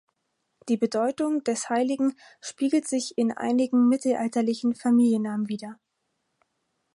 Die Bedeutung des Heiligen spiegelt sich in einigen mittelalterlichen Familiennamen wider.